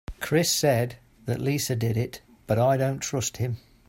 Chris said that Lisa did it but I dont trust him.